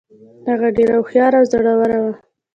هغه ډیره هوښیاره او زړوره وه.